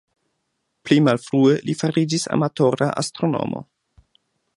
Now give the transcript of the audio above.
Pli malfrue li fariĝis amatora astronomo.